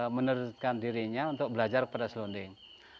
menerutkan dirinya untuk belajar pada selonding